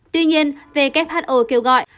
tuy nhiên who kêu gọi